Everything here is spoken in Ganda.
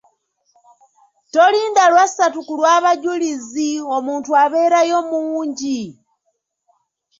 Tolinda lwa ssatu ku lw'abajulizi omuntu abeerayo mungi.